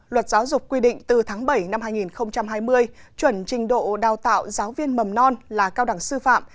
luật giáo dục quy định từ tháng bảy năm hai nghìn hai mươi chuẩn trình độ đào tạo giáo viên mầm non là cao đẳng sư phạm